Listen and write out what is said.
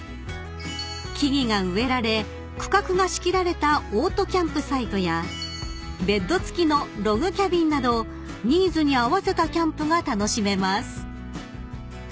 ［木々が植えられ区画が仕切られたオートキャンプサイトやベッド付きのログキャビンなどニーズに合わせたキャンプが楽しめます］